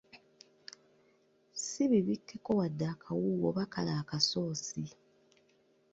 Si bibikekko wadde akawuuwo oba kale akasoosi!